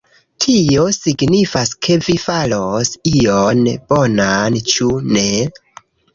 Tio signifas ke vi faros ion bonan, ĉu ne?